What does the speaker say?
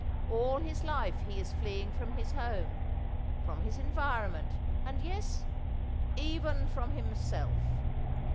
All his life he is fleeing from his home, from his environment, and yes! even from himself.